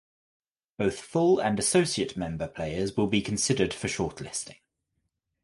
Both Full and Associate Member players will be considered for shortlisting.